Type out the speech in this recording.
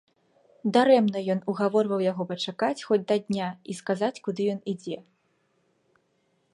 Дарэмна ён угаворваў яго пачакаць хоць да дня і сказаць, куды ён ідзе.